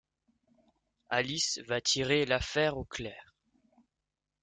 Alice va tirer l'affaire au clair.